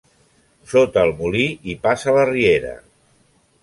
Sota el molí hi passa la riera.